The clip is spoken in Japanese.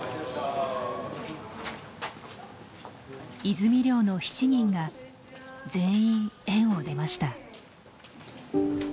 泉寮の７人が全員園を出ました。